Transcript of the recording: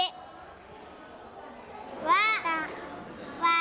「わ」！